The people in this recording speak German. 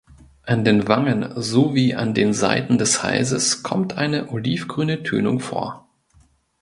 An den Wangen sowie an den Seiten des Halses kommt eine olivgrüne Tönung vor.